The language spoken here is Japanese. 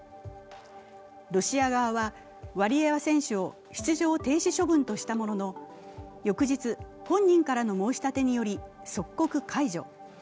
ロシア側はワリエワ選手を出場停止処分としたものの、翌日、本人からの申し立てにより即刻解除。